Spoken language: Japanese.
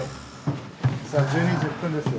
１２時１０分ですよ。